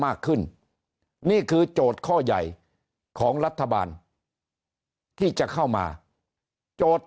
มากขึ้นนี่คือโจทย์ข้อใหญ่ของรัฐบาลที่จะเข้ามาโจทย์